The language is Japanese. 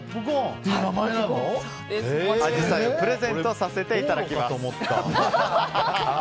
アジサイをプレゼントさせていただきます。